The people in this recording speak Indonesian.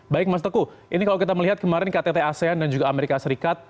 baik mas teguh ini kalau kita melihat kemarin ktt asean dan juga amerika serikat